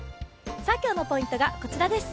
今日のポイントがこちらです。